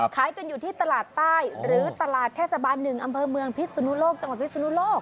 ขายกันอยู่ที่ตลาดใต้หรือตลาดเทศบาล๑อำเภอเมืองพิศนุโลกจังหวัดพิศนุโลก